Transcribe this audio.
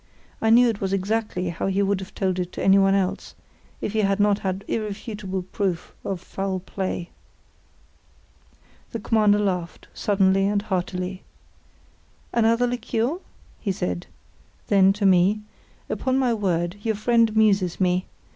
I knew it was exactly how he would have told it to anyone else, if he had not had irrefutable proof of foul play. The Commander laughed, suddenly and heartily. "Another liqueur?" he said. Then, to me: "Upon my word, your friend amuses me.